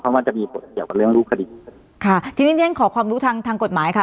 มันจะมีผลเกี่ยวกับเรื่องรูปคดีค่ะทีนี้เรียนขอความรู้ทางทางกฎหมายค่ะ